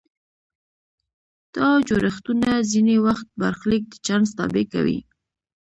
دا جوړښتونه ځینې وخت برخلیک د چانس تابع کوي.